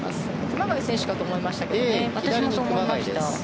熊谷選手かと思いましたけどね。